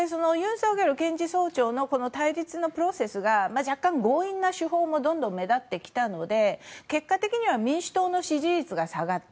ソクヨル前検事総長の対立のプロセスが若干強引な手法がどんどん目立ってきたので結果的には民主党の支持率が下がって